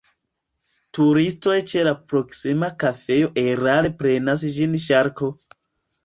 Turistoj ĉe la proksima kafejo erare prenas ĝin ŝarko.